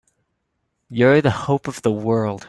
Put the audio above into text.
You're the hope of the world!